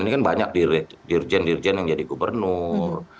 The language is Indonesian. ini kan banyak dirjen dirjen yang jadi gubernur